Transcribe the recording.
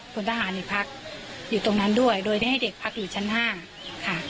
พลทหารในพักอยู่ตรงนั้นด้วยโดยได้ให้เด็กพักอยู่ชั้น๕ค่ะ